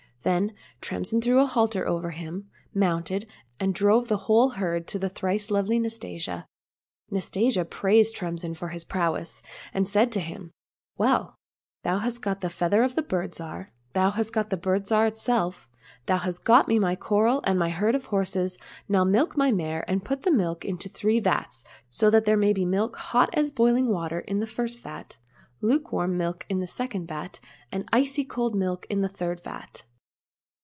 Then Tremsin threw a halter over him, mounted, and drove the whole herd to the thrice lovely Nastasia. Nastasia praised Tremsin for his prowess, and said to him, " Well, thou hast got the feather of the Bird Zhar, thou hast got the Bird Zhar itself, thou hast got me my coral and my herd of horses, now milk my mare and put the milk into three vats, so that there may be milk hot as boiling water in the first vat, lukewarm milk in the second vat, and icy cold milk in the third vat."